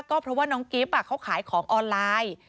ก็เพราะว่าน้องกิฟต์เขาขายของออนไลน์